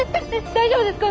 大丈夫ですか！？